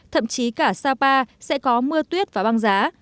thậm chí cả sapa sẽ có mưa tuyết và băng giá